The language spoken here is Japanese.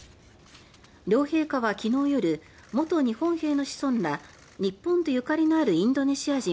両陛下は昨日夜元日本兵の子孫ら日本とゆかりのあるインドネシア人